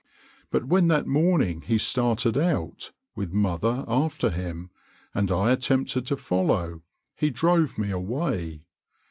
But when that morning he started out, with mother after him, and I attempted to follow, he drove me away.